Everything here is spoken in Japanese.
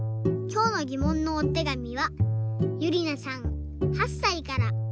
きょうのぎもんのおてがみはゆりなさん８さいから。